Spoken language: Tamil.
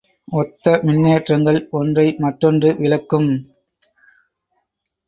ஒத்த மின்னேற்றங்கள் ஒன்றை மற்றொன்று விலக்கும்.